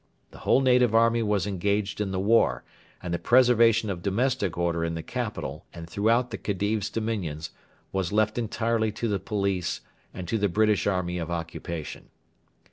The whole native army was engaged in the war, and the preservation of domestic order in the capital and throughout the Khedive's dominions was left entirely to the police and to the British Army of Occupation.